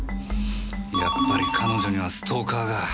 やっぱり彼女にはストーカーが。